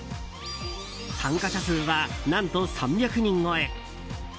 参加者数は、何と３００人超え。